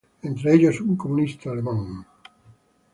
Entre ellos un comunista alemán.